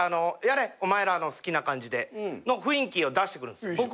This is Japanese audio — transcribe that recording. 「お前らの好きな感じで」の雰囲気を出してくるんですよ。